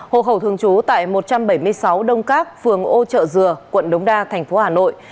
hộ khẩu thường trú tại một trăm bảy mươi sáu đông các phường ô trợ dừa quận đống đa thành phố hà nội